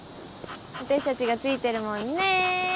私達がついてるもんね